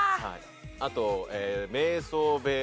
あと瞑想部屋。